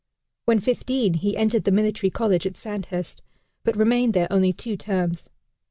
When fifteen, he entered the Military College at Sandhurst, but remained there only two terms.